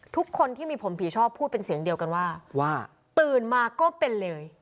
ทุกคนที่มีผมผีชอบพูดเป็นเสียงเดียวกันว่าว่าตื่นมาก็เป็นเลย